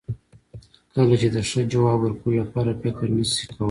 کله چې د ښه ځواب ورکولو لپاره فکر نشې کولای.